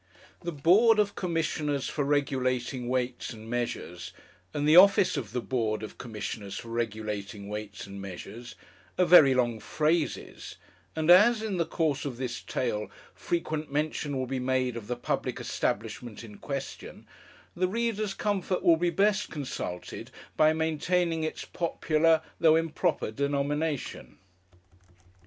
The 'Board of Commissioners for Regulating Weights and Measures', and the 'Office of the Board of Commissioners for Regulating Weights and Measures', are very long phrases; and as, in the course of this tale, frequent mention will be made of the public establishment in question, the reader's comfort will be best consulted by maintaining its popular though improper denomination.